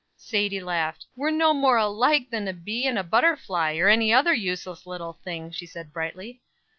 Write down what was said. Sadie laughed. "We're no more alike than a bee and a butterfly, or any other useless little thing," she said, brightly.